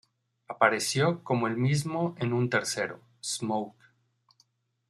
Apareció como el mismo en un tercero, "Smoke".